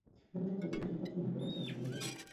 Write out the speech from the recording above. ব্রাহ্মসমাজ হইতে সুচরিতা কি এমন করিয়া স্থলিত হইয়া যাইবে?